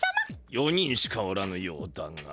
４人しかおらぬようだが。